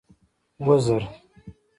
وزر.